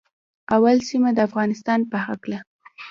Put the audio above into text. اول سیمه د افغانستان په هکله